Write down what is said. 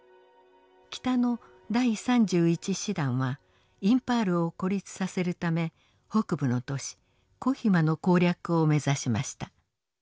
北の第３１師団はインパールを孤立させるため北部の都市コヒマの攻略を目指しました。